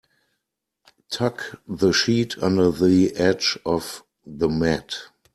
Tuck the sheet under the edge of the mat.